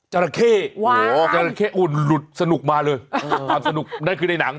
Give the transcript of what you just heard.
จราเข้จราเข้อุ่นหลุดสนุกมาเลยความสนุกนั่นคือในหนัง